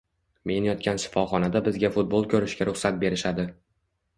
Men yotgan shifoxonada bizga futbol ko`rishga ruxsat berishadi